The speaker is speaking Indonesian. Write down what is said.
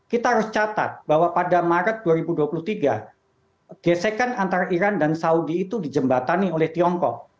kita harus catat bahwa pada maret dua ribu dua puluh tiga gesekan antara iran dan saudi itu dijembatani oleh tiongkok